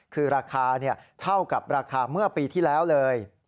คือราคาเท่ากับราคาเมื่อปีที่แล้วเลย